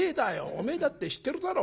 おめえだって知ってるだろ。